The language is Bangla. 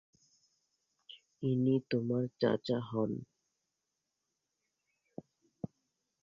ইনি তোমার চাচা হন।